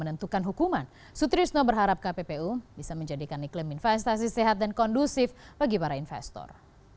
untukkan hukuman sutrisno berharap kppu bisa menjadikan iklim investasi sehat dan kondusif bagi para investor